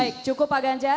baik cukup pak ganjar